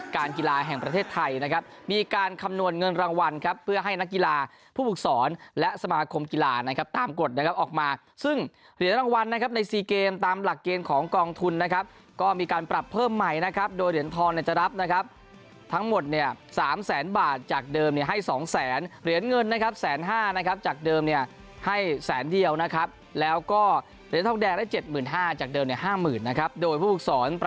การกีฬาแห่งประเทศไทยนะครับมีการคำนวณเงินรางวัลครับเพื่อให้นักกีฬาผู้ปลูกศรและสมาคมกีฬานะครับตามกฎนะครับออกมาซึ่งเหรียญรางวัลนะครับในซีเกมตามหลักเกณฑ์ของกองทุนนะครับก็มีการปรับเพิ่มใหม่นะครับโดยเหรียญทองจะรับนะครับทั้งหมดเนี่ย๓แสนบาทจากเดิมให้๒แสนเหรียญเงินนะคร